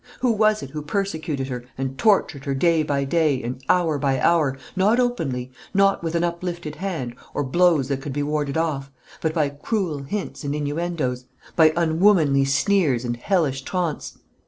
Who was it who persecuted her and tortured her day by day and hour by hour, not openly, not with an uplifted hand or blows that could be warded off, but by cruel hints and inuendoes, by unwomanly sneers and hellish taunts?